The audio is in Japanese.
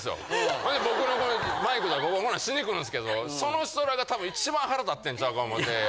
ほんで僕のマイクとかこんなんしに来るんですけどその人らが多分一番腹立ってんちゃうか思て。